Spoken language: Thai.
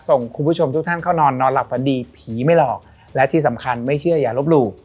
ส่งคุณผู้ชมทุกท่านเข้านอนนอนหลับฝันดีผีไม่หลอกและที่สำคัญไม่เชื่ออย่าลบหลู่